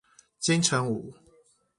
金城武